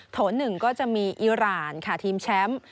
โถ๑ก็จะมีอิราณค่ะทีมแชมป์